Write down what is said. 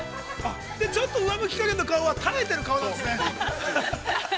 ちょっと上向きかげんの顔は、耐えている顔なんですね。